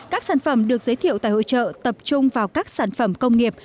các sản phẩm được giới thiệu tại hội trợ tập trung vào các sản phẩm công nghiệp